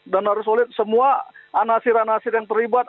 dan harus solid semua anasir anasir yang terlibat